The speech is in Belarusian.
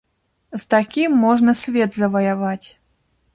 З такім можна свет заваяваць.